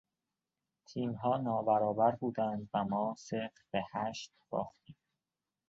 تیمها نابرابر بودند و ما صفر به هشت باختیم.